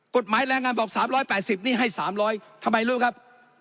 กฎหมายแรงงานบอก๓๘๐นี่ให้๓๐๐ทำไมรู้ครับ